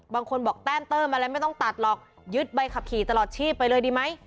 บางคนบอกแต้มเติมอะไรไม่ต้องตัดหรอกยึดใบขับขี่ตลอดชีพไปเลยดีไหม